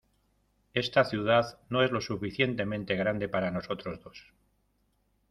Esta ciudad no es lo suficientemente grande para nosotros dos.